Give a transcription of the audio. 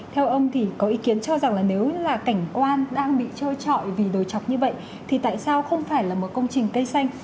theo ông thì có ý kiến cho rằng là nếu là cảnh quan đang bị trôi trọi vì đồi chọc như vậy thì tại sao không phải là một công trình cây xanh